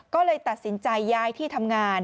ก็เลยตัดสินใจย้ายที่ทำงาน